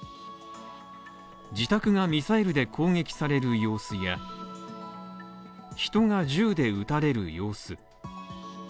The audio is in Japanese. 自宅がミサイルで攻撃される様子や、人が銃で撃たれる様子。